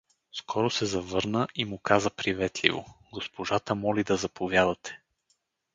Скоро се завърна и му каза приветливо: — Госпожата моли да заповядате.